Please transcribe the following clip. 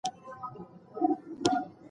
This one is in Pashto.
حیات الله په خپل تېره زمانه کې ډېر بوخت و.